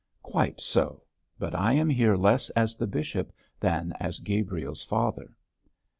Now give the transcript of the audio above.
'Quite so; but I am here less as the bishop than as Gabriel's father.'